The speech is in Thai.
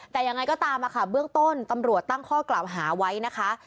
แต่ยังไงก็ตามค่ะเบื้องต้นตำรวจตั้งข้อกล่าวหาไว้นะคะ